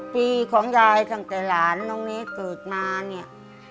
ปีของยายตั้งแต่หลานน้องเนสเกิดมาเนี่ย